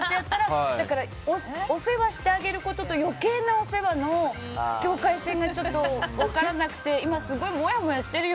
お世話してあげることと余計なお世話の境界線が分からなくて今、すごいもやもやしてるよ